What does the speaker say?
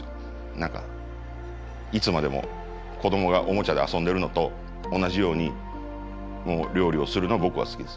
何かいつまでも子どもがオモチャで遊んでるのと同じように料理をするのが僕は好きです。